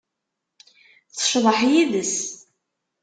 Tecḍeḥ yid-s.